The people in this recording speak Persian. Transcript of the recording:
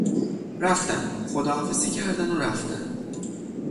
رفتن، خداحافظی کردن و رفتن